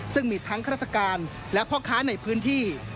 ซึ่งมีทั้งราชการและพ่อค้าในพื้นที่